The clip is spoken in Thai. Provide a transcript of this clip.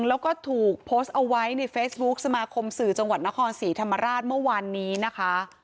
แล้วก็ถูกโพสต์เอาไว้ในเฟซบุ๊คสมาคมสื่อจังหวัดนครศรีธรรมราชเมื่อวานนี้นะคะ